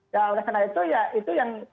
nah oleh karena itu ya itu yang